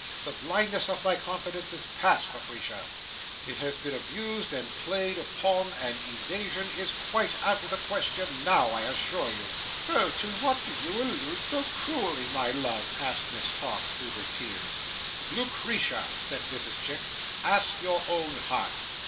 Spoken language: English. The blindness of my confidence is past, Lucretia. It has been abused and played, upon, and evasion is quite out of the question now, I assure you." "Oh! to what do you allude so cruelly, my love?" asked Miss Tox, through her tears. "Lucretia," said Mrs Chick, "ask your own heart.